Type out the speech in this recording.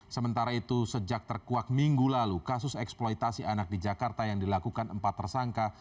sementara itu sejak terkuak minggu lalu kasus eksploitasi anak di jakarta yang dilakukan empat tersangka